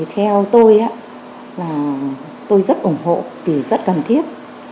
theo tôi rất ủng hộ vì rất cần thiết